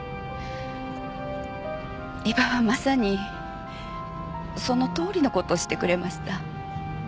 伊庭はまさにそのとおりの事をしてくれました。